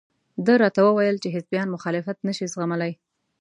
ده راته وویل چې حزبیان مخالفت نشي زغملى.